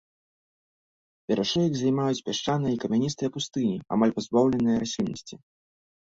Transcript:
Перашыек займаюць пясчаныя і камяністыя пустыні, амаль пазбаўленыя расліннасці.